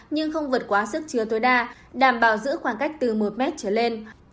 nhưng không vượt quá sức trưa tối đa đảm bảo giữ khoảng cách từ một m trở lên